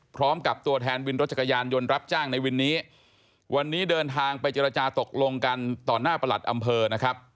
พร้อมกับตัวแทนวินรถจักรยานยนต์รับจ้างในวินนี้วันนี้เดินทางไปเจรจาตกลงกันต่อหน้าประหลัดอำเภอนะครับ